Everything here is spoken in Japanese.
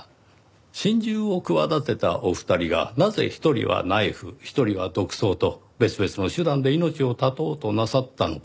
心中を企てたお二人がなぜ一人はナイフ一人は毒草と別々の手段で命を絶とうとなさったのか。